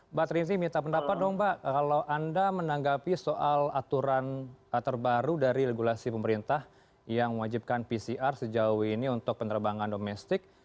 mbak trinzi minta pendapat dong mbak kalau anda menanggapi soal aturan terbaru dari regulasi pemerintah yang mewajibkan pcr sejauh ini untuk penerbangan domestik